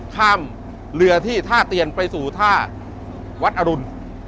ข้ามเรือที่ท่าเตียนไปสู่ท่าวัดอรุณ